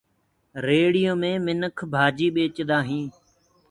ريڙهيو مي منک ڀآڃيٚ ٻيڪدآ هينٚ